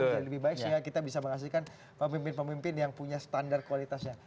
jadi lebih baik kita bisa menghasilkan pemimpin pemimpin yang punya standar kualitasnya